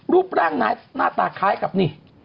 รูปร่างหน้าตาคล้ายกับนี่